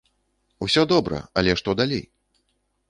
Усё добра, але што далей?